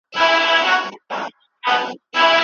کله چې ابدالیان متحد شول نو بریا يې په برخه شوه.